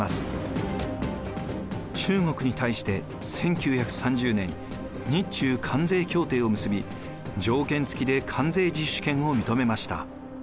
中国に対して１９３０年日中関税協定を結び条件付きで関税自主権を認めました。